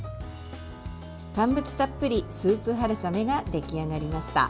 乾物たっぷりスープ春雨が出来上がりました。